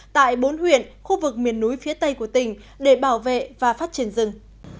tại bốn huyện khu vực miền núi phía tây của tỉnh để bảo vệ và phát triển rừng